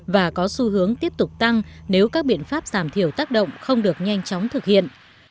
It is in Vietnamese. và có xu hướng tiếp tục tăng nếu các biện pháp giảm thiểu tác động không được nhanh chóng thực hiện